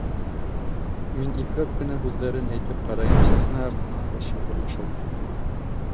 Мин ипләп кенә һүҙҙәрен әйтеп ҡарайым, сәхнә артынан да шыбырлашалар.